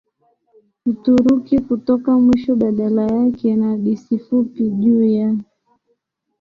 Uturuki kutoka mwisho Badala yake na hadithi fupi juu ya